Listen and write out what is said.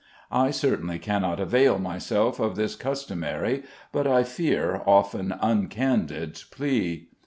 I certainly cannot avail myself of this customary but I fear often uncandid plea.